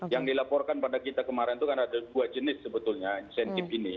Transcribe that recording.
yang dilaporkan pada kita kemarin itu kan ada dua jenis sebetulnya insentif ini